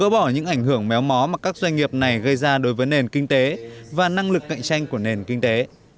việc này gây ra đối với nền kinh tế và năng lực cạnh tranh của nền kinh tế